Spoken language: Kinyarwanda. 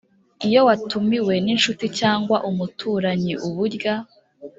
iyo watumiwe n‘inshuti cyangwa umuturanyiubury